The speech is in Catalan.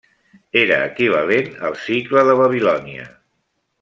Era equivalent al sicle de Babilònia.